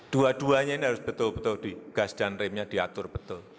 dua duanya ini harus betul betul gas dan remnya diatur betul